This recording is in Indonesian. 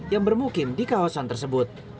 yang bermukim di kawasan tersebut